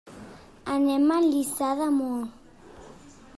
Anem a Lliçà d'Amunt.